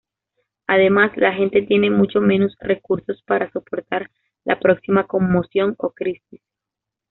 Además, la gente tiene mucho menos recursos para soportar la próxima conmoción o crisis.